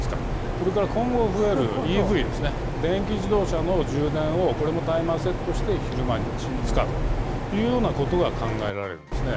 それから今後増えるＥＶですね、電気自動車の充電を、これもタイマーセットして昼間に使うというようなことが考えられるんですね。